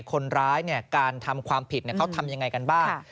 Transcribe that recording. คนร้ายการทำความผิดเขาทำยังไงกันบ้าง